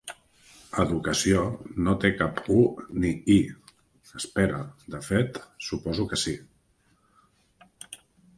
"Educació" no té cap U ni I... espera, de fet, suposo que sí.